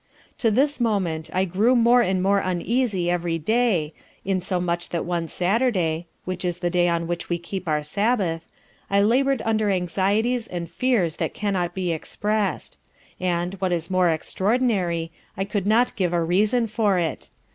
To this moment I grew more and more uneasy every day, in so much that one saturday, (which is the day on which we keep our sabbath) I laboured under anxieties and fears that cannot be expressed; and, what is more extraordinary, I could not give a reason for it.